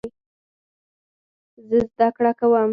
زه زده کړه کوم.